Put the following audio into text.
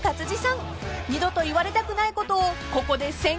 ［二度と言われたくないことをここで宣言しませんか？］